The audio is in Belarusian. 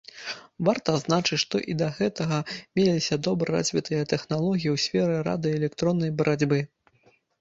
Варта адзначыць, што і да гэтага меліся добра развітыя тэхналогіі ў сферы радыёэлектроннай барацьбы.